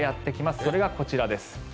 それがこちらです。